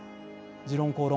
「時論公論」